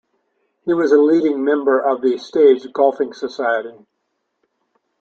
He was a leading member of The Stage Golfing Society.